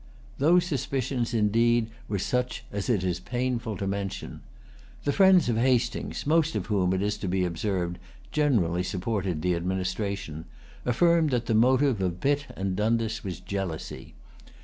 Those suspicions, indeed, were such as it is painful to mention. The friends of Hastings, most of whom, it is to be observed, generally supported the administration, affirmed that the motive of Pitt and Dundas was jealousy.